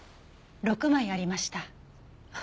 ６枚ありました。